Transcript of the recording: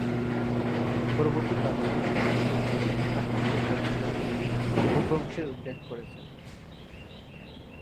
পরবর্তীকালে পুরুষোত্তম প্রভৃতি প্রাকৃত বৈয়াকরণ অপভ্রংশের উল্লেখ করেছেন।